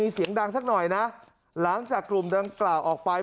เสียงดังสักหน่อยนะหลังจากกลุ่มดังกล่าวออกไป